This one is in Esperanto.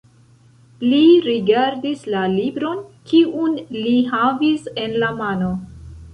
Li rigardis la libron, kiun li havis en la mano.